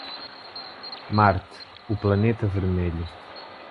Marte, o Planeta Vermelho.